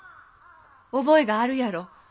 覚えがあるやろ？